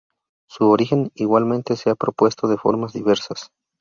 Su origen igualmente se ha propuesto de formas diversas.